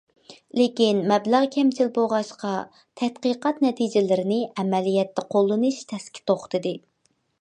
لېكىن مەبلەغ كەمچىل بولغاچقا، تەتقىقات نەتىجىلىرىنى ئەمەلىيەتتە قوللىنىش تەسكە توختىدى.